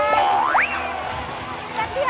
ไปเย็น